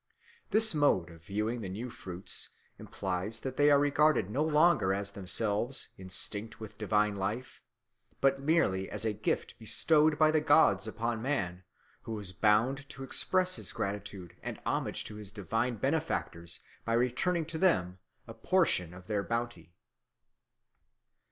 This mode of viewing the new fruits implies that they are regarded no longer as themselves instinct with divine life, but merely as a gift bestowed by the gods upon man, who is bound to express his gratitude and homage to his divine benefactors by returning to them a portion of their bounty.